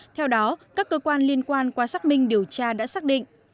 theo đó các cơ quan liên quan qua xác minh điều tra đã xác định